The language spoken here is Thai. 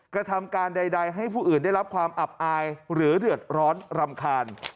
กระทำการใดให้ผู้อื่นได้รับความอับอายหรือเดือดร้อนรำคาญ